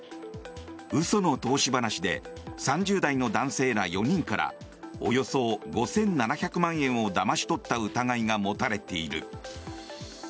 嘘の投資話で３０代の男性ら４人からおよそ５７００万円をだまし取った疑いが持たれている。